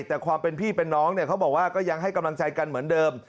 แต่ความเป็นพี่เป็นน้องเนี่ยเขาบอกว่าก็ยังให้กำลังใจกันเหมือนเดิม